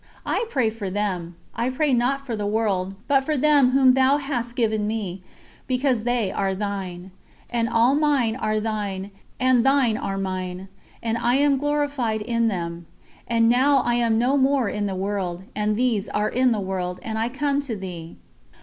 I pray for them: I pray not for the world, but for them whom Thou hast given me, because they are Thine. And all mine are Thine, and Thine are mine; and I am glorified in them. And now I am no more in the world, and these are in the world, and I come to Thee.